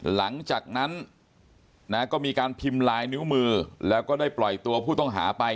หลังจากนั้นนะก็มีการพิมพ์ลายนิ้วมือแล้วก็ได้ปล่อยตัวผู้ต้องหาไป